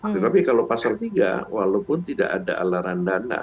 tetapi kalau pasal tiga walaupun tidak ada alaran dana